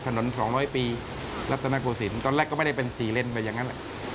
ตอนแรกก็ไม่ได้เป็นสี่เล่นแบบอย่างนั้น